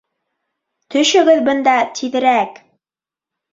Төшөгөҙ бында тиҙерәк!